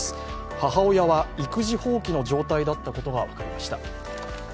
母親は育児放棄の状態だったことが分かりました。